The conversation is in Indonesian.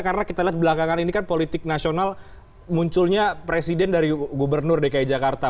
karena kita lihat belakangan ini kan politik nasional munculnya presiden dari gubernur dki jakarta